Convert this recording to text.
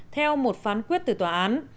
theo một phán quyết từ tòa án